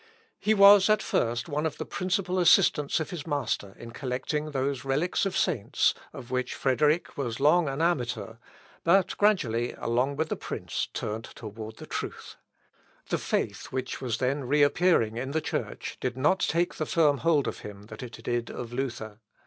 He was at first one of the principal assistants of his master in collecting those relics of saints, of which Frederick was long an amateur, but gradually, along with the prince, turned toward the truth. The faith which was then re appearing in the Church did not take the firm hold of him that it did of Luther.